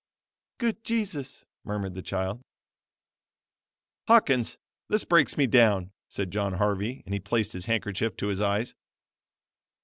"Good Jesus," murmured the child. "Hawkins, this breaks me down," said John Harvey and he placed his handkerchief to his eyes.